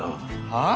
はあ？